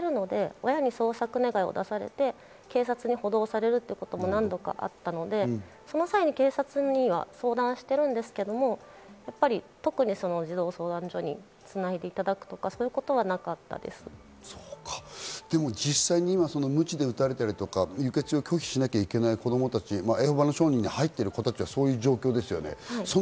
あとは家出をしているので親に捜索願を出されて、警察に補導されるということも何度かあったので、その際に警察には相談しているんですけれども、やっぱり特に児童相談所につないでいただくとか、そういうことは実際、ムチで打たれたりとか輸血を拒否しなきゃいけない子供たち、エホバの証人に入っている子たちはそういう状況ですよね。